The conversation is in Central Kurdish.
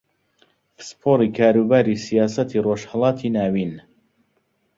پسپۆڕی کاروباری سیاسەتی ڕۆژھەڵاتی ناوین